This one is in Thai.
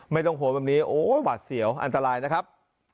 ไม่ต้องโหดแบบนี้โอ้ยหวัดเสียวอันตรายนะครับ